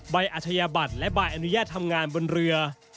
อาชญาบัตรและใบอนุญาตทำงานบนเรือ